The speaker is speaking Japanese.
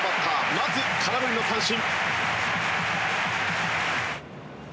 まず空振りの三振。